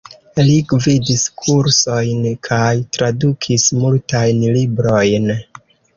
Li gvidis kursojn kaj tradukis multajn librojn.